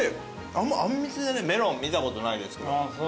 あんまあんみつでメロン見たことないですけど。